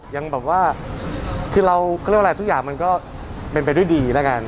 ยังแบบว่าคือเราก็เรียกว่าอะไรทุกอย่างมันก็เป็นไปด้วยดีแล้วกัน